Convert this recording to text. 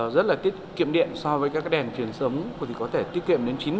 rất là tiết kiệm điện so với các cái đèn chuyển sống thì có thể tiết kiệm đến chín mươi điện năng